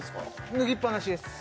脱ぎっぱなしです